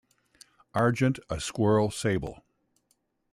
Argent a Squirrel Sable.